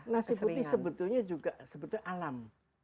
nasi putih sebetulnya juga sebetulnya alam